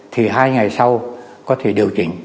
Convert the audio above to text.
thì hai ngày sau có thể điều chỉnh